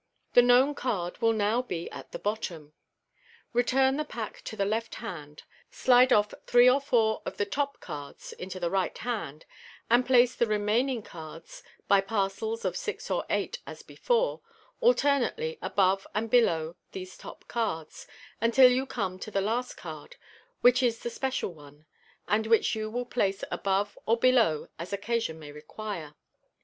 The known card will now be at the bottom. Return the pack to the left hand. Slide off three or four of the top cards into the right hand, and place the remaining cards, by parcels of six or eight as before, alternately above and below these top cards, till you come to the last card, which is the special one, and which you will place above or below as occasion may require.